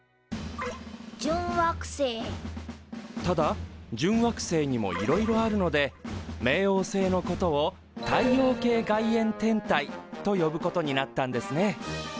ただ準惑星にもいろいろあるので冥王星のことを太陽系外縁天体と呼ぶことになったんですね。